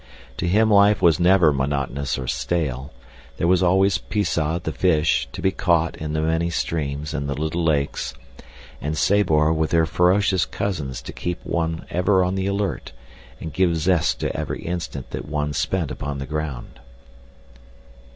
To him life was never monotonous or stale. There was always Pisah, the fish, to be caught in the many streams and the little lakes, and Sabor, with her ferocious cousins to keep one ever on the alert and give zest to every instant that one spent upon the ground.